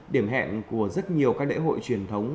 điểm hẹn của rất nhiều các lễ hội truyền thống